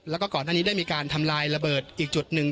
แล้วก็ก่อนหน้านี้ได้มีการทำลายระเบิดอีกจุดหนึ่ง